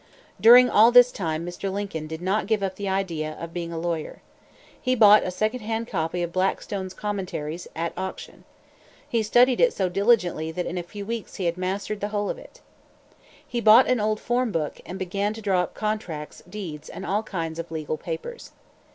During all this time Mr. Lincoln did not give up the idea of being a lawyer. He bought a second hand copy of Blackstone's Commentaries at auction. He studied it so diligently that in a few weeks he had mastered the whole of it. He bought an old form book, and began to draw up contracts, deeds, and all kinds of legal papers.